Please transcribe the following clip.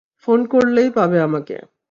Phone করলেই পাবে আমাকে।